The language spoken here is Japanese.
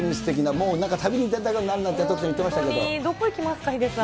もう旅に出たくなるなんて徳ちゃん言ってましたけど、本当に、どこ行きますか、ヒデさん。